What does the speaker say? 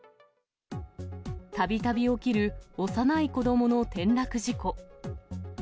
たびたび起きる幼い子どもの転落事故。